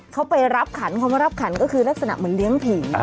เขาไปรับขันเขามารับขันก็คือลักษณะเหมือนเลี้ยงผี